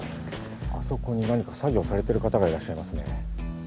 あそこに何か作業されてる方がいらっしゃいますね。